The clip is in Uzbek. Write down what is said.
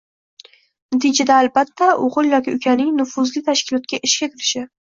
Natija albatta o‘g‘il yoki ukaning nufuzli tashkilotga ishga kirishi